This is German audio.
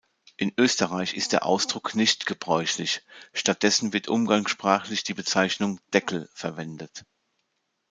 In Österreich ist der Ausdruck nicht gebräuchlich; stattdessen wird umgangssprachlich die Bezeichnung "Deckel" verwendet.